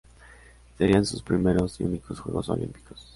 Serían sus primeros y únicos Juegos Olímpicos.